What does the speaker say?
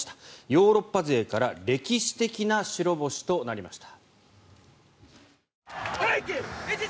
ヨーロッパ勢から歴史的な白星となりました。